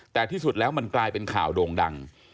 แต่ที่สุดแล้วมันกลายเป็นข่าวโด่งดัง